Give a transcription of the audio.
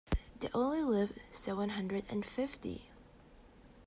They only lifted seven hundred and fifty.